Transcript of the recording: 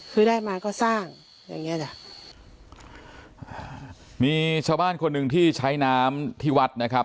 คือได้มาก็สร้างอย่างเงี้จ้ะมีชาวบ้านคนหนึ่งที่ใช้น้ำที่วัดนะครับ